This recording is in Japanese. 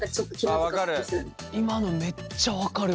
今のめっちゃ分かるわ。